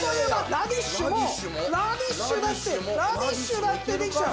ラディッシュもラディッシュだってラディッシュだってできちゃう！